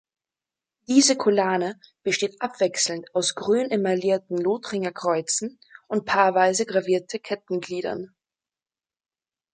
Diese Collane besteht abwechselnd aus grün emaillierten Lothringer Kreuzen und paarweise gravierte Kettengliedern.